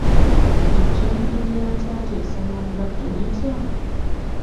Ejjambiya ya taata esala nga kkirita.